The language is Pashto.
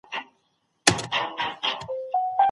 ابو عبيده د خلافت يو عادل قوماندان و.